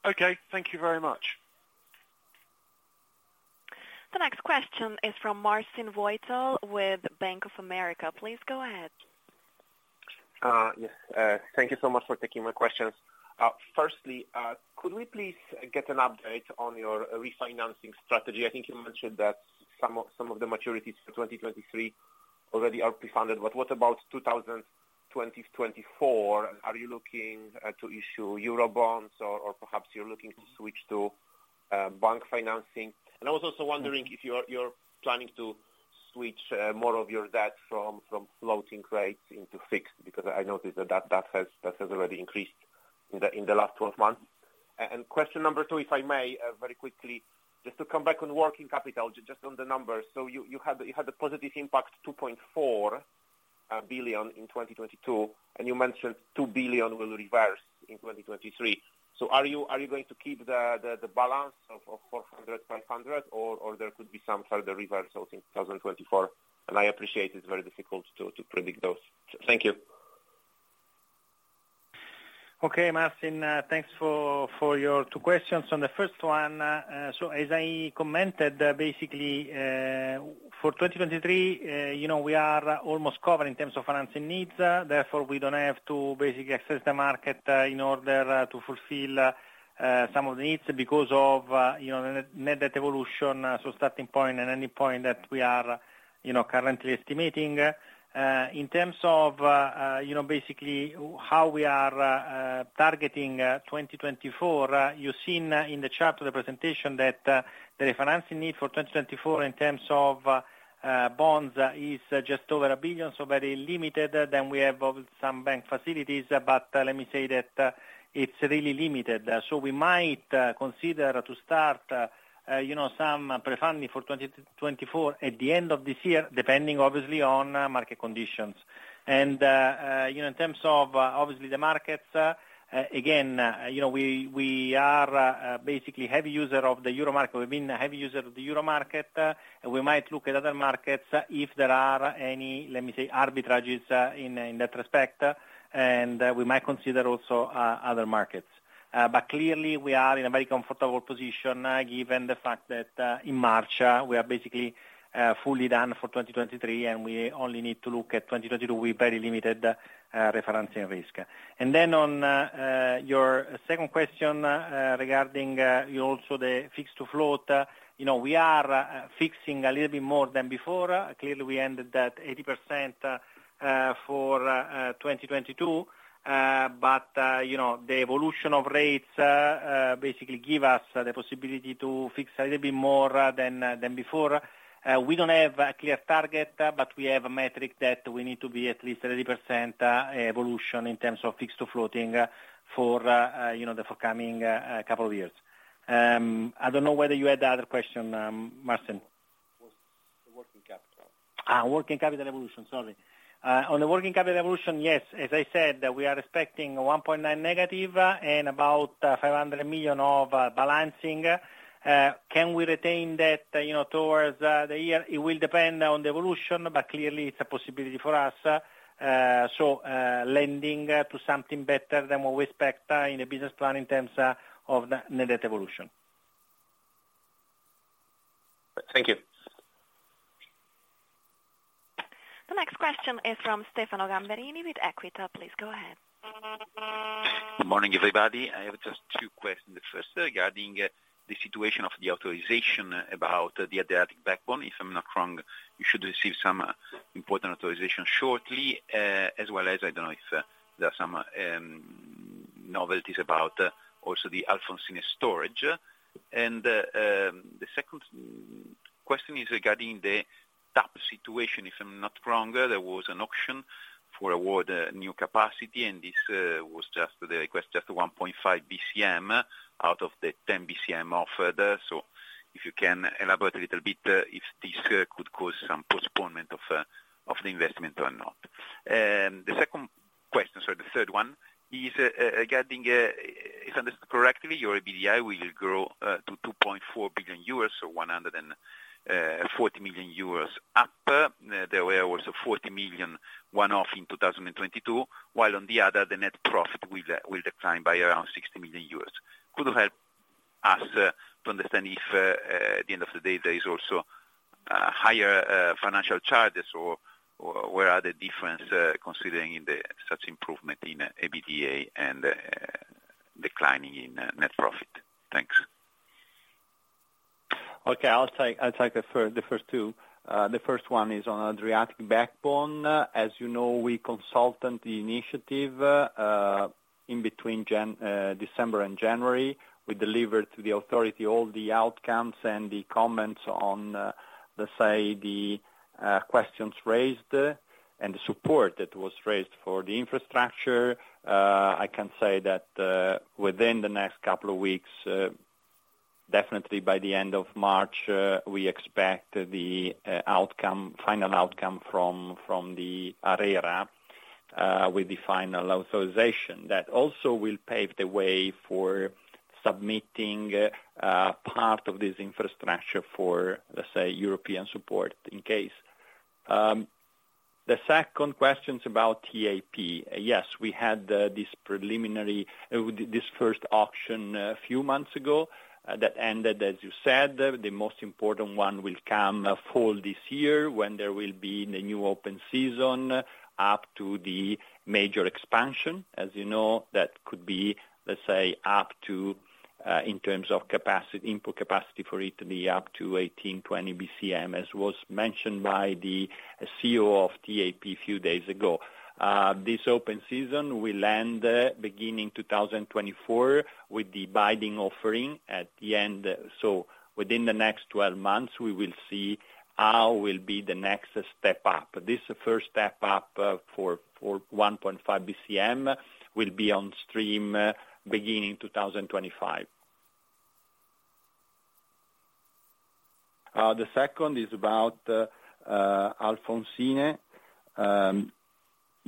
Okay. Thank you very much. The next question is from Marcin Wojtal with Bank of America. Please go ahead. Yes. Thank you so much for taking my questions. Firstly, could we please get an update on your refinancing strategy? I think you mentioned that some of the maturities for 2023 already are prefunded. What about 2024? Are you looking to issue EUR bonds or perhaps you're looking to switch to bank financing? I was also wondering if you're planning to switch more of your debt from floating rates into fixed, because I noticed that that has already increased in the last 12 months. Question number two, if I may, very quickly, just to come back on working capital, just on the numbers. You had a positive impact, 2.4 billion in 2022, and you mentioned 2 billion will reverse in 2023. Are you going to keep the balance of 400 million, 500 million, or there could be some further reversals in 2024? I appreciate it's very difficult to predict those. Thank you. Okay, Marcin. Thanks for your two questions. On the first one, as I commented, basically, for 2023, you know, we are almost covered in terms of financing needs. Therefore, we don't have to basically access the market in order to fulfill some of the needs because of, you know, net debt evolution. Starting point and ending point that we are, you know, currently estimating. In terms of, you know, basically how we are targeting 2024, you've seen in the chart of the presentation that the refinancing need for 2024 in terms of bonds is just over a billion, very limited. We have obviously some bank facilities, but let me say that it's really limited. We might consider to start, you know, some prefunding for 2024 at the end of this year, depending obviously on market conditions. In terms of obviously the markets, again, you know, we are basically heavy user of the euro market. We've been a heavy user of the euro market. We might look at other markets if there are any, let me say, arbitrages, in that respect. We might consider also other markets. Clearly we are in a very comfortable position, given the fact that in March, we are basically fully done for 2023, and we only need to look at 2022 with very limited referencing risk. On your second question regarding, you know, the fixed to float, you know, we are fixing a little bit more than before. Clearly, we ended at 80% for 2022. But, you know, the evolution of rates basically give us the possibility to fix a little bit more than before. We don't have a clear target, but we have a metric that we need to be at least 30% evolution in terms of fixed to floating for, you know, the forthcoming couple of years. I don't know whether you had other question, Marcin. The working capital. Working capital evolution. Sorry. On the working capital evolution, yes, as I said, we are expecting -1.9 and about 500 million of balancing. Can we retain that, you know, towards the year? It will depend on the evolution, but clearly it's a possibility for us. Lending to something better than what we expect in the business plan in terms of the net debt evolution. Thank you. Question is from Stefano Gamberini with Equita. Please go ahead. Good morning, everybody. I have just two questions. First, regarding the situation of the authorization about the Adriatic Backbone. If I'm not wrong, you should receive some important authorization shortly, as well as, I don't know if there are some novelties about also the Alfonsine storage. The second question is regarding the TAP situation. If I'm not wrong, there was an option for award new capacity, and this was just the request, just 1.5 BCM out of the 10 BCM offered. If you can elaborate a little bit, if this could cause some postponement of the investment or not. The second question, sorry, the third one is regarding if understood correctly, your EBITDA will grow to 2.4 billion euros, or 140 million euros upper. There was a 40 million one-off in 2022, while on the other, the net profit will decline by around 60 million euros. Could you help us to understand if, at the end of the day, there is also higher financial charges, or where are the difference, considering the such improvement in EBITDA and declining in net profit? Thanks. Okay, I'll take the first two. The first one is on Adriatic Backbone. As you know, we consultant the initiative in between December and January. We delivered to the authority all the outcomes and the comments on, let's say, the questions raised and the support that was raised for the infrastructure. I can say that within the next couple of weeks, definitely by the end of March, we expect the outcome, final outcome from the ARERA with the final authorization. That also will pave the way for submitting part of this infrastructure for, let's say, European support in case. The second question is about TAP. Yes, we had this preliminary, this first auction a few months ago that ended, as you said. The most important one will come fall this year, when there will be the new open season up to the major expansion. As you know, that could be, let's say, up to, in terms of capacity, input capacity for Italy, up to 18, 20 BCM, as was mentioned by the CEO of TAP few days ago. This open season will end beginning 2024 with the binding offering at the end. Within the next 12 months, we will see how will be the next step up. This first step up for 1.5 BCM will be on stream beginning 2025. The second is about Alfonsine.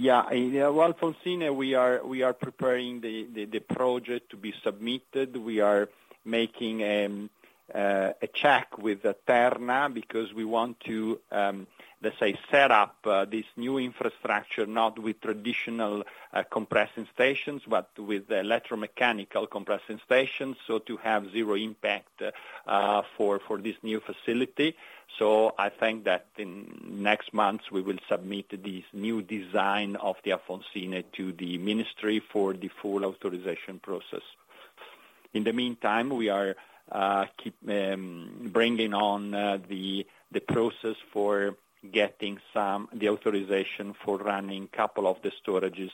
Yeah. Alfonsine, we are preparing the project to be submitted. We are making a check with Terna because we want to let's say, set up this new infrastructure, not with traditional compressing stations, but with electromechanical compressing stations, so to have zero impact for this new facility. I think that in next months, we will submit this new design of the Alfonsine to the ministry for the full authorization process. In the meantime, we are bringing on the process for getting the authorization for running couple, of the storages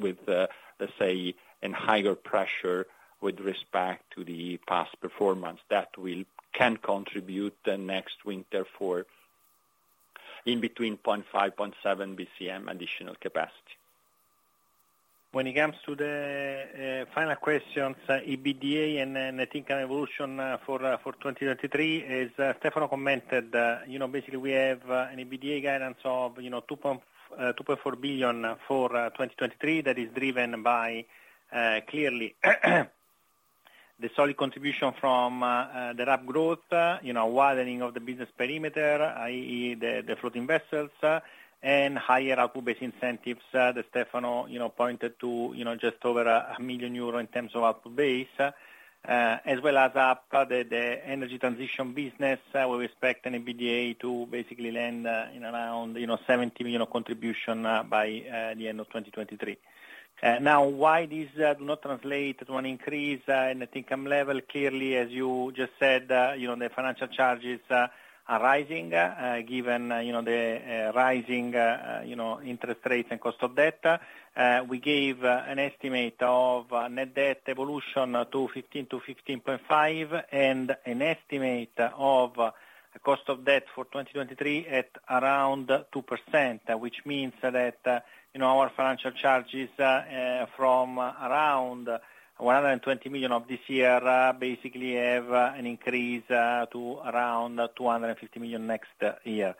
with let's say, in higher pressure with respect to the past performance. That can contribute the next winter for in between 0.5, 0.7 BCM additional capacity. When it comes to the final questions, EBITDA, and then I think an evolution for 2023, as Stefano commented, basically we have an EBITDA guidance of 2.4 billion for 2023. That is driven by clearly the solid contribution from the RAB growth, widening of the business perimeter, i.e., the floating vessels, and higher output-based incentives that Stefano pointed to just over a million in terms of output base, as well as up the energy transition business. We expect an EBITDA to basically land in around 70 million of contribution by the end of 2023. Now, why this do not translate to an increase in net income level? Clearly, as you just said, you know, the financial charges are rising, given, you know, the rising, you know, interest rates and cost of debt. We gave an estimate of net debt evolution to 15-15.5, and an estimate of cost of debt for 2023 at around 2%, which means that, you know, our financial charges from around 120 million of this year, basically have an increase to around 250 million next year.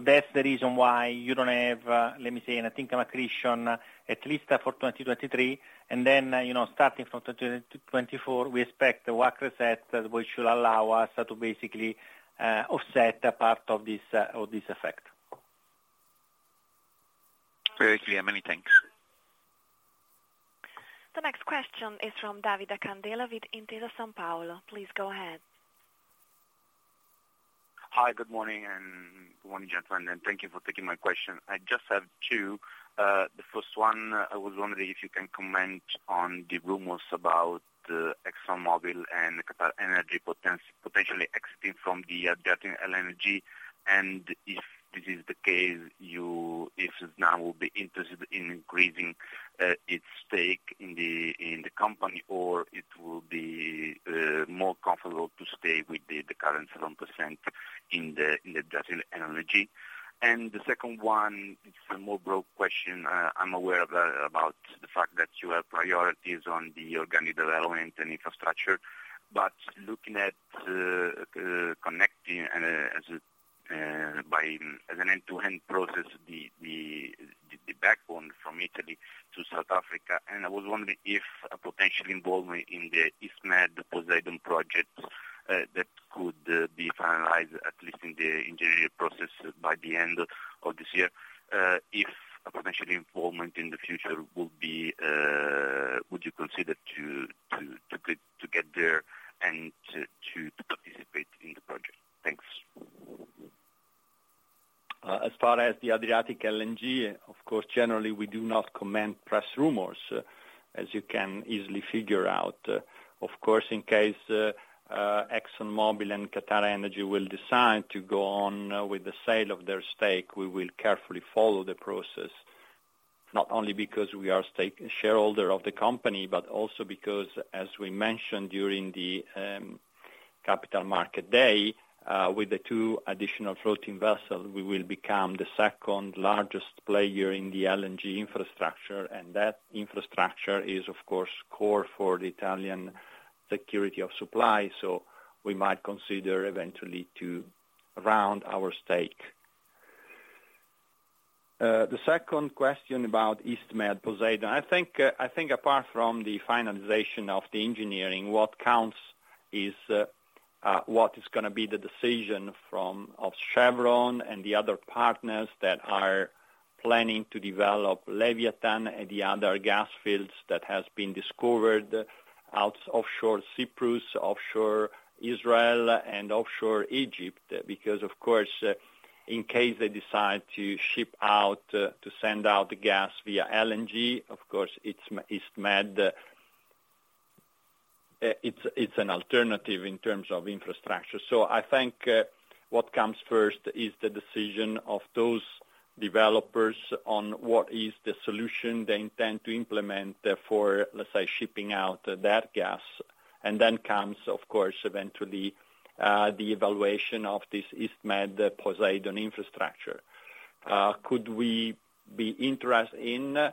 That's the reason why you don't have, let me say, net income accretion, at least for 2023. You know, starting from 2024, we expect WACC reset, which should allow us to basically offset a part of this of this effect. Very clear. Many thanks. Next question is from Davide Candela with Intesa Sanpaolo. Please go ahead. Hi, good morning. Good morning, gentlemen. Thank you for taking my question. I just have two. The first one, I was wondering if you can comment on the rumors about ExxonMobil and QatarEnergy potentially exiting from the Adriatic LNG. If this is the case, if Snam will be interested in increasing its stake in the company, or it will be more comfortable to stay with the current 7% in the Adriatic LNG. The second one is a more broad question. I'm aware about the fact that you have priorities on the organic development and infrastructure, looking at connecting and as an end-to-end process, the backbone from Italy to South Africa, I was wondering if a potential involvement in the EastMed-Poseidon project that could be finalized, at least in the engineering process by the end of this year, if a potential involvement in the future would be, would you consider to get there and to participate in the project? Thanks. As far as the Adriatic LNG, of course, generally we do not comment press rumors, as you can easily figure out. In case ExxonMobil and QatarEnergy will decide to go on with the sale of their stake, we will carefully follow the process, not only because we are a stake shareholder of the company, but also because, as we mentioned during the capital market day, with the two additional floating vessel, we will become the second largest player in the LNG infrastructure. That infrastructure is, of course, core for the Italian security of supply. We might consider eventually to round our stake. The second question about EastMed-Poseidon. I think apart from the finalization of the engineering, what counts is what is gonna be the decision from, of Chevron and the other partners that are planning to develop Leviathan and the other gas fields that has been discovered out offshore Cyprus, offshore Israel, and offshore Egypt. Of course, in case they decide to ship out, to send out gas via LNG, of course it's EastMed, it's an alternative in terms of infrastructure. I think what comes first is the decision of those developers on what is the solution they intend to implement for, let's say, shipping out that gas. Then comes, of course, eventually, the evaluation of this EastMed-Poseidon infrastructure. Could we be interested in?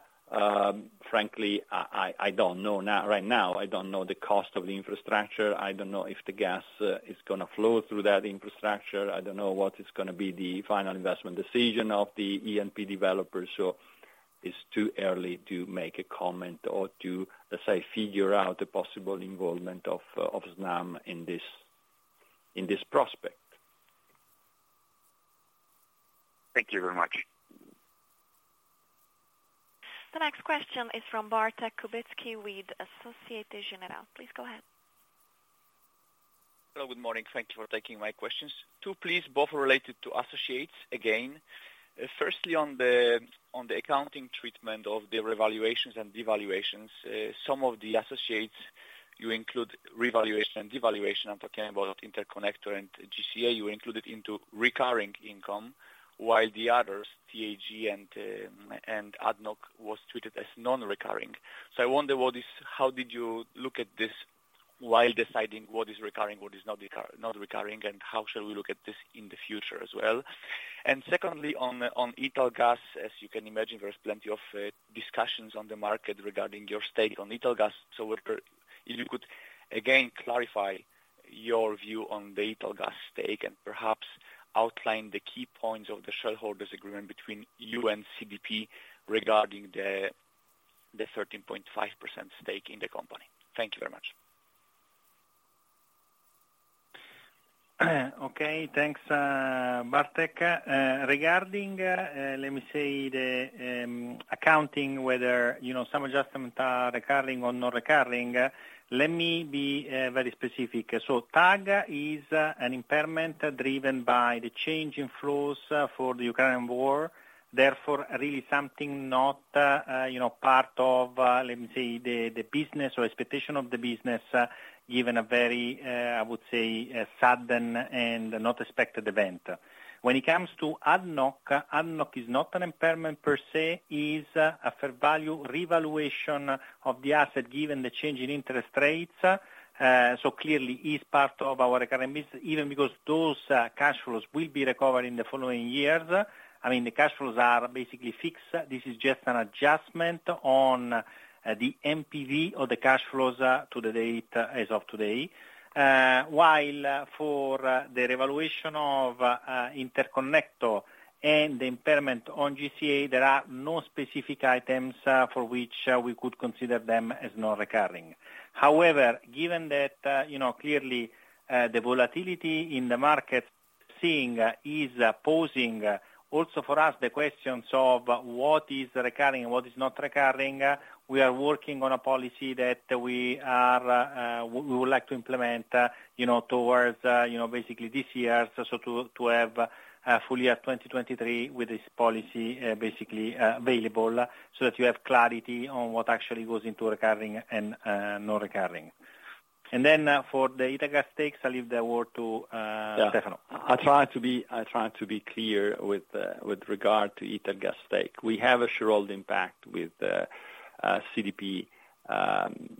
Frankly, I don't know. Not right now. I don't know the cost of the infrastructure. I don't know if the gas is gonna flow through that infrastructure. I don't know what is gonna be the final investment decision of the E&P developers. It's too early to make a comment or to, let's say, figure out the possible involvement of Snam in this prospect. Thank you very much. The next question is from Bartek Kubicki with Société Générale. Please go ahead. Hello, good morning. Thank you for taking my questions. Two please, both related to associates, again. Firstly, on the accounting treatment of the revaluations and devaluations. Some of the associates you include revaluation and devaluation. I'm talking about Interconnector and GCA. You included into recurring income, while the others, TAG and ADNOC was treated as non-recurring. I wonder how did you look at this while deciding what is recurring, what is not recurring, and how shall we look at this in the future as well? Secondly, on Italgas, as you can imagine, there's plenty of discussions on the market regarding your stake on Italgas. If you could again clarify your view on the Italgas stake and perhaps outline the key points of the shareholders agreement between you and CDP regarding the 13.5% stake in the company. Thank you very much. Okay, thanks, Bartek. Regarding, let me say the accounting, whether, you know, some adjustments are recurring or not recurring, let me be very specific. TAG is an impairment driven by the change in flows for the Ukrainian war, therefore really something not, you know, part of, let me say, the business or expectation of the business, given a very, I would say, sudden and not expected event. When it comes to ADNOC is not an impairment per se. It is a fair value revaluation of the asset given the change in interest rates. Clearly is part of our current business, even because those cash flows will be recovered in the following years. I mean, the cash flows are basically fixed. This is just an adjustment on the NPV of the cash flows to the date as of today. While for the revaluation of interconnector and the impairment on GCA, there are no specific items for which we could consider them as non-recurring. However, given that, you know, clearly, the volatility in the market seeing is posing also for us the questions of what is recurring, what is not recurring, we are working on a policy that we would like to implement, you know, towards, you know, basically this year, so to have full year 2023 with this policy, basically, available, so that you have clarity on what actually goes into recurring and not recurring. Then, for the Italgas stakes, I'll leave the word to Stefano. Yeah. I try to be clear with regard to Italgas stake. We have a shareholder impact with CDP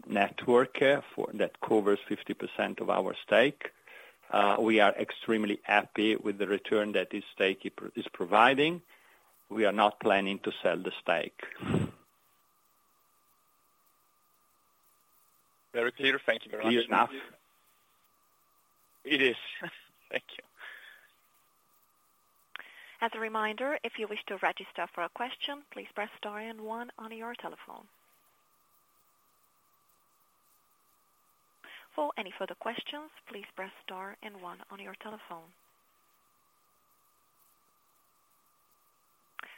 network for... that covers 50% of our stake. We are extremely happy with the return that this stake is providing. We are not planning to sell the stake. Very clear. Thank you very much. Clear enough? It is. Thank you. As a reminder, if you wish to register for a question, please press star and one on your telephone. For any further questions, please press star and one on your telephone.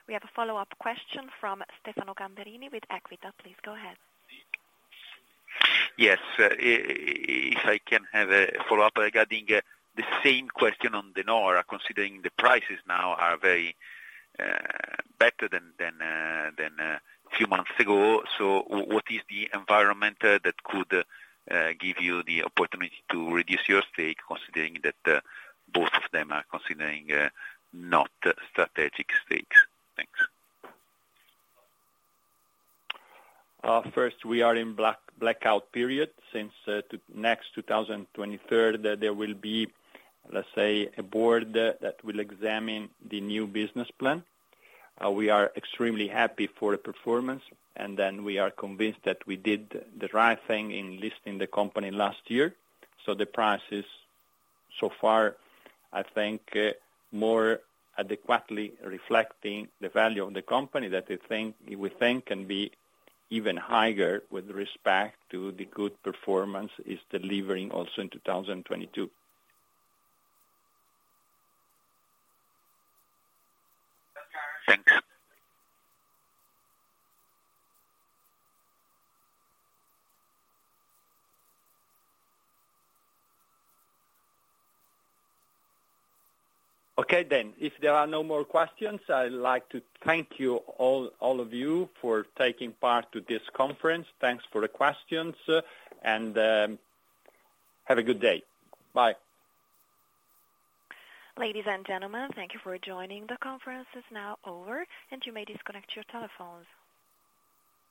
We have a follow-up question from Stefano Gamberini with Equita. Please go ahead. Yes. if I can have a follow-up regarding the same question on De Nora, considering the prices now are very better than few months ago. What is the environment that could give you the opportunity to reduce your stake, considering that both of them are considering not strategic stakes? Thanks. First, we are in blackout period. Since next 2023, there will be, let's say, a board that will examine the new business plan. We are extremely happy for the performance, and then we are convinced that we did the right thing in listing the company last year. The price is, so far, I think, more adequately reflecting the value of the company that I think we think can be even higher with respect to the good performance is delivering also in 2022. Thanks. Okay. If there are no more questions, I'd like to thank you all of you for taking part to this conference. Thanks for the questions, and have a good day. Bye. Ladies and gentlemen, thank you for joining. The conference is now over, and you may disconnect your telephones.